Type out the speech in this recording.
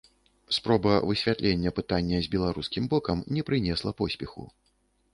Спроба высвятлення пытання з беларускім бокам не прынесла поспеху.